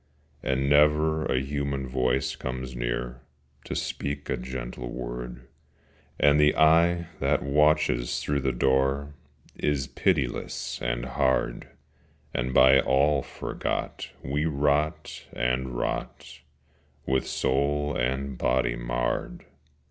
And never a human voice comes near To speak a gentle word: And the eye that watches through the door Is pitiless and hard: And by all forgot, we rot and rot, With soul and body marred.